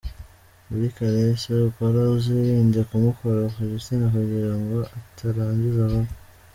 Muri Caresse ukora uzirinde kumukora ku gitsina kugira ngo atarangiza vuba.